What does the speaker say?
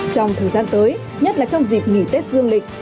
trong thời gian tới nhất là trong dịp nghỉ tết dương lịch